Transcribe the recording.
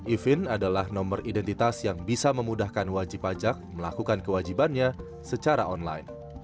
evin adalah nomor identitas yang bisa memudahkan wajib pajak melakukan kewajibannya secara online